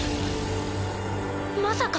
まさか。